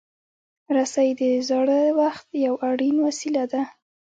رسۍ د زاړه وخت یو اړین وسیله ده.